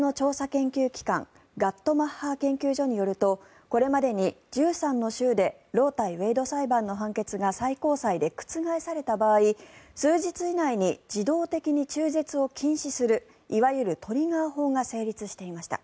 研究機関ガットマッハー研究所によるとこれまでに１３の州でロー対ウェイド裁判の判決が最高裁で覆された場合数日以内に自動的に中絶を禁止するいわゆるトリガー法が成立していました。